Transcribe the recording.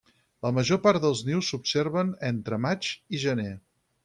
La major part dels nius s'observen entre maig i gener.